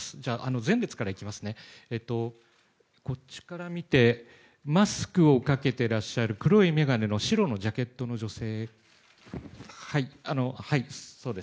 続いて、マスクをかけていらっしゃる黒い眼鏡の白いジャケットの女性。